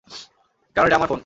কারণ এটা আমার ফোন।